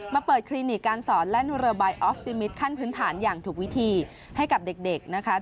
เปิดคลินิกการสอนและเรือใบออฟติมิตรขั้นพื้นฐานอย่างถูกวิธีให้กับเด็กนะคะ